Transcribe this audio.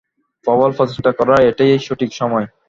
প্রবল প্রচেষ্টা করার এটাই সঠিক সময়।